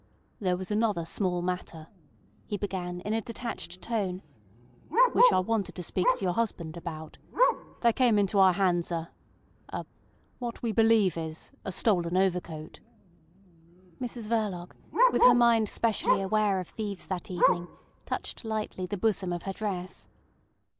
"There was another small matter," he began in a detached tone, "which I wanted to speak to your husband about. There came into our hands a—a—what we believe is—a stolen overcoat." Mrs Verloc, with her mind specially aware of thieves that evening, touched lightly the bosom of her dress.